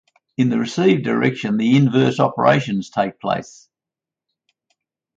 In the receive direction, the inverse operations take place.